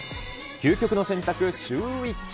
究極の選択、シューＷｈｉｃｈ。